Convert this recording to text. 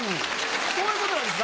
そういうことなんですか？